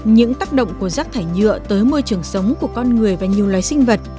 những tác động của rác thải nhựa tới môi trường sống của con người và nhiều loài sinh vật